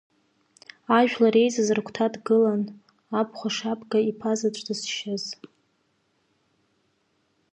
Ажәлар еизаз рыгәҭа дгылан, аб хәашбга иԥазаҵә дызшьыз.